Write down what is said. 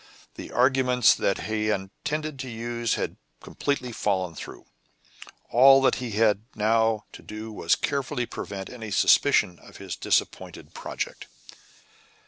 The arguments that he had intended to use had completely fallen through; all that he had now to do was carefully to prevent any suspicion of his disappointed project.